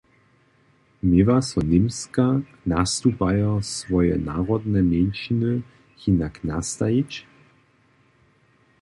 Měła so Němska nastupajo swoje narodne mjeńšiny hinak nastajić?